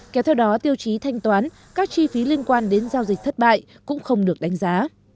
kéo theo đó tiêu chí thanh toán các chi phí liên quan đến giao dịch thất bại cũng không được đánh giá